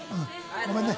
ごめんね。